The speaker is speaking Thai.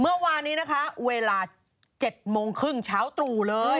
เมื่อวานนี้นะคะเวลา๗โมงครึ่งเช้าตรู่เลย